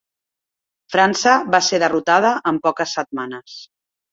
França va ser derrotada en poques setmanes.